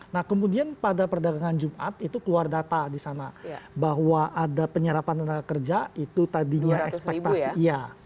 nah kemudian pada perdagangan jumat itu keluar data di sana bahwa ada penyerapan tenaga kerja itu tadinya ekspektasi iya